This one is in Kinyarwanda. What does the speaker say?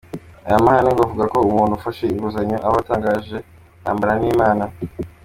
Aya mahame ngo avuga ko umuntu ufashe inguzanyo aba atangaje intambara n’Imana.